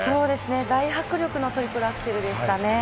大迫力のトリプルアクセルでした。